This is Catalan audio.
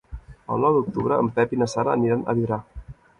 El nou d'octubre en Pep i na Sara aniran a Vidrà.